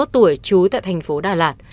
bốn mươi một tuổi trú tại thành phố đà lạt